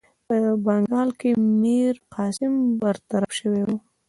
په بنګال کې میرقاسم برطرف شوی وو.